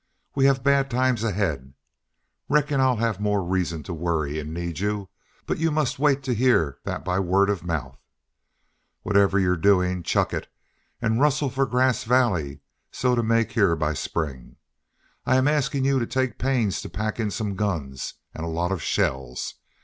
We have bad times ahead. Reckon I have more reasons to worry and need you, but you must wait to hear that by word of mouth. Whatever your doing, chuck it and rustle for Grass Vally so to make here by spring. I am asking you to take pains to pack in some guns and a lot of shells.